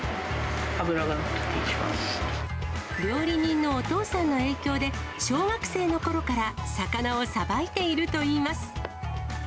脂が乗っ料理人のお父さんの影響で、小学生のころから魚をさばいているといいます。